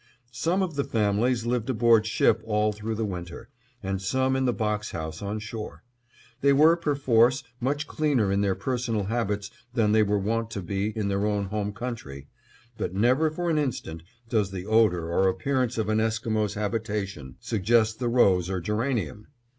Some of the families lived aboard ship all through the winter, and some in the box house on shore. They were perforce much cleaner in their personal habits than they were wont to be in their own home country, but never for an instant does the odor or appearance of an Esquimo's habitation suggest the rose or geranium.